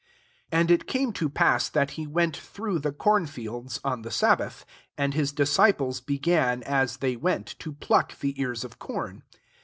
23 And it came to pass, that he went through the corn fields on the sabbath j and his disci ples began, as they went, to pluck the ears of corn.